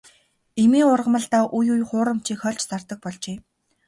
Эмийн ургамалдаа үе үе хуурамчийг хольж зардаг болжээ.